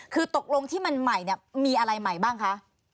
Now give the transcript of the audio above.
คือตกลงที่มันใหม่เนี่ยมีอะไรใหม่บ้างคะ